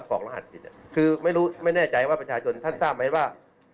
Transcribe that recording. ผมไม่แน่ใจนะที่ว่า